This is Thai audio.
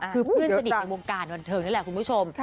คือเพื่อนสนิทในวงการบันเทิงนั่นแหละคุณผู้ชม